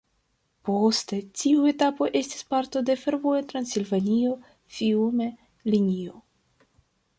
Poste tiu etapo estis parto de fervojo Transilvanio-Fiume linio.